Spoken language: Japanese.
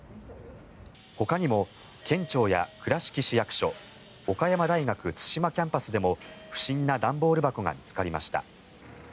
ほかにも県庁や倉敷市役所岡山大学津島キャンパスでも不審な段ボール箱が見つかりました。